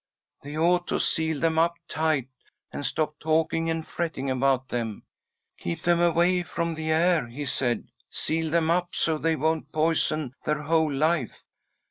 They ought to seal them up tight, and stop talking and fretting about them keep them away from the air, he said, seal them up so they won't poison their whole life.